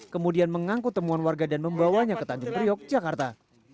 kemudian mengangkut temuan warga dan membawanya ke tanjung priok jakarta